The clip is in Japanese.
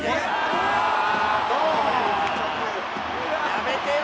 「やめてよ！